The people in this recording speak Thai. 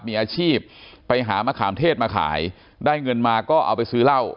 มีอาชีพไปหามะขามเทศมาขายได้เงินมาก็เอาไปซื้อเหล้า